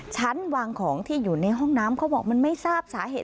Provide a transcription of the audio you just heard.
ชั้นวางของที่อยู่ในห้องน้ำเขาบอกมันไม่ทราบสาเหตุ